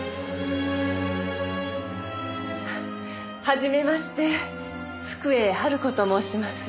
初めまして福栄晴子と申します。